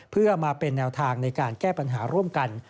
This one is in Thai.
เพื่อมาเป็นแนวทางในการแก้ปัญหาร่วมกัน